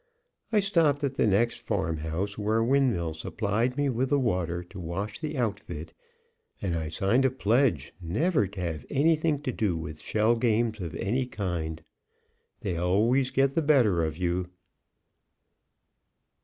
I stopped at the next farm house, where a windmill supplied me with the water to wash the outfit, and I signed a pledge never to have anything to do with shell games of any kind. They always get the better of you.